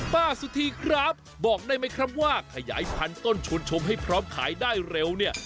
สุธีครับบอกได้ไหมครับว่าขยายพันธุต้นชวนชมให้พร้อมขายได้เร็วเนี่ย